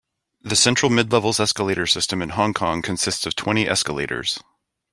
The Central-Midlevels escalator system in Hong Kong consists of twenty escalators.